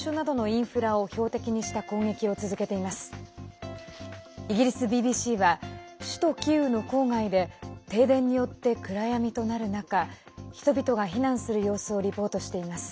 イギリスＢＢＣは首都キーウの郊外で停電によって暗闇となる中人々が避難する様子をリポートしています。